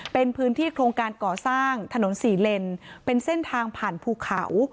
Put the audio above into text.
เป็นพื้นที่โครงการก่อสร้างถนนสี่เลนเป็นเส้นทางผ่านภูเขา